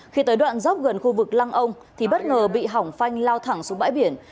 khi tới đoạn dốc gần khu vực lăng ông thì bất ngờ bị hỏng phanh lao thẳng xuống bãi biển